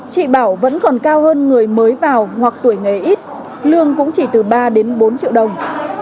chị bảo vẫn còn cao hơn người mới vào hoặc tuổi nghề ít lương cũng chỉ từ ba đến bốn triệu đồng